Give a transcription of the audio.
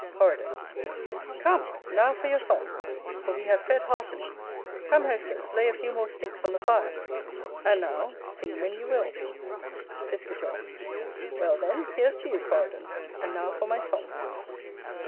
Coridon. Come, now for your song; for we have fed heartily. Come, hostess, lay a few more sticks on the fire. And now, sing when you will. Piscator. Well then, here s to you, Coridon; and now for my song.